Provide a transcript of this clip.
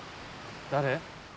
誰？